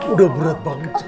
udah berat banget sekarang